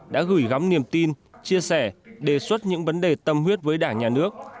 đã gửi gắm niềm tin chia sẻ đề xuất những vấn đề tâm huyết với đảng nhà nước